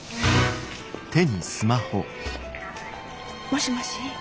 もしもし